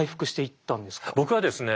僕はですね